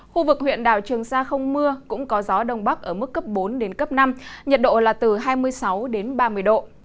khu vực huyện đảo trường sa không mưa cũng có gió đông bắc ở mức cấp bốn năm nhiệt độ là từ hai mươi sáu ba mươi độ